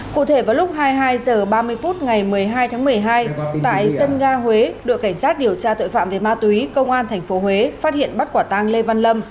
cụ thể vào lúc hai mươi hai h ba mươi phút ngày một mươi hai tháng một mươi hai tại sơn nga huế đội cảnh sát điều tra tội phạm về ma túy công an thành phố huế phát hiện bắt quả tàng lê văn lâm